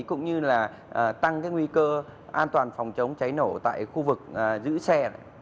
cũng như là tăng cái nguy cơ an toàn phòng chống cháy nổ tại khu vực giữ xe